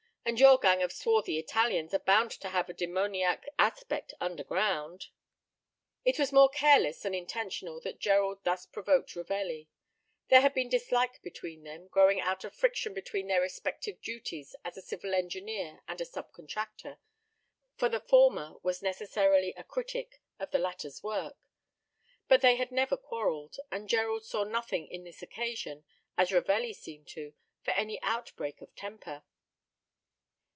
And your gang of swarthy Italians are bound to have a demoniac aspect underground." It was more careless than intentional that Gerald thus provoked Ravelli. There had been dislike between them, growing out of friction between their respective duties as a civil engineer and a sub contractor, for the former was necessarily a critic of the latter's work. But they had never quarreled, and Gerald saw nothing in this occasion, as Ravelli seemed to, for any outbreak of temper.